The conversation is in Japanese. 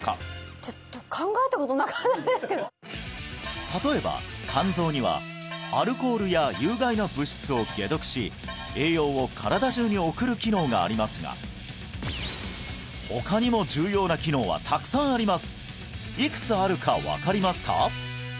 ちょっと例えば肝臓にはアルコールや有害な物質を解毒し栄養を身体中に送る機能がありますが他にもいくつあるか分かりますか？